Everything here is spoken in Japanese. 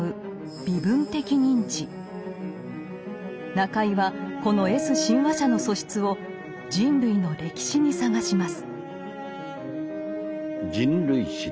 中井はこのＳ親和者の素質を人類の歴史に探します。